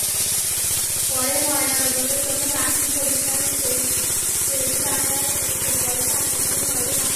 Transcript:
পরে ময়নাতদন্তের জন্য লাশটি বরিশাল শের-ই-বাংলা মেডিকেল কলেজ হাসপাতাল মর্গে পাঠানো হয়।